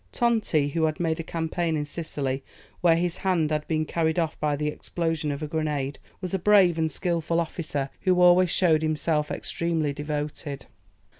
Tonti, who had made a campaign in Sicily, where his hand had been carried off by the explosion of a grenade, was a brave and skilful officer, who always showed himself extremely devoted.